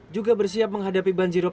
juga bersiap menghadapi banjirop